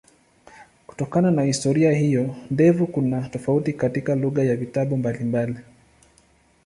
Kutokana na historia hiyo ndefu kuna tofauti katika lugha ya vitabu mbalimbali.